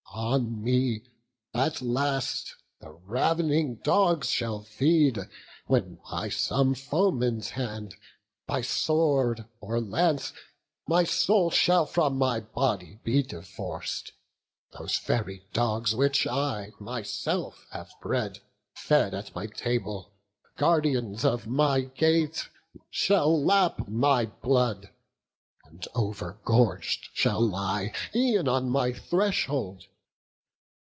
On me at last the rav'ning dogs shall feed, When by some foeman's hand, by sword or lance, My soul shall from my body be divorc'd; Those very dogs which I myself have bred, Fed at my table, guardians of my gate, Shall lap my blood, and over gorg'd shall lie E'en on my threshold.